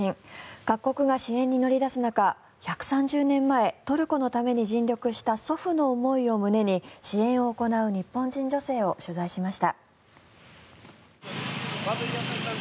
各国が支援に乗り出す中１３０年前トルコのために尽力した祖父の思いを胸に支援を行う日本人女性を取材しました。